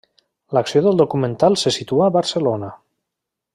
L'acció del documental se situa a Barcelona.